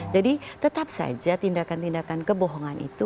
jadi tetap saja tindakan tindakan kebohongan itu